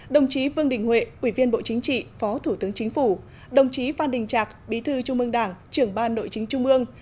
đồng chí vương đình huệ ủy viên bộ chính trị phó thủ tướng chính phủ đồng chí phan đình trạc bí thư trung ương đảng trưởng ban nội chính trung ương